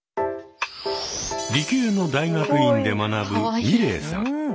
理系の大学院で学ぶみれいさん。